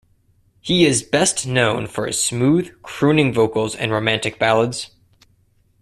He is best known for his smooth, crooning vocals and romantic ballads.